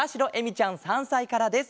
ちゃん３さいからです。